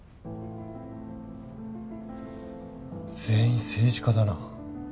全員政治家だな。